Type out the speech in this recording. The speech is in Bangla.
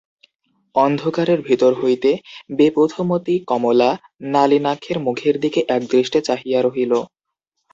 অন্ধকারের ভিতর হইতে বেপথুমতী কমলা নলিনাক্ষের মুখের দিকে একদৃষ্টে চাহিয়া রহিল।